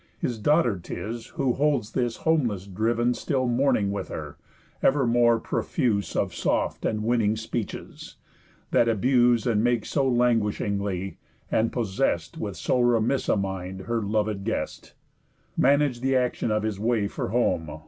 His daughter 'tis, who holds this homeless driv'n Still mourning with her; evermore profuse Of soft and winning speeches, that abuse And make so languishingly, and possest With so remiss a mind her loved guest, Manage the action of his way for home.